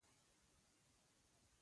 د ډبرې متن مې ولیکه.